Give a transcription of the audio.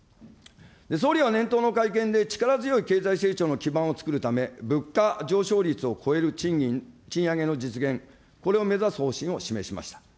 総理は年頭の会見で力強い経済成長の基盤を作るため、物価上昇率を超える賃上げの実現、これを目指す方針を示しました。